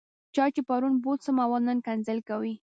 چا چې پرون بوټ سمول، نن کنځل کوي.